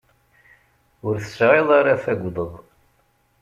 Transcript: Ur tesɛiḍ ara tagdeḍ.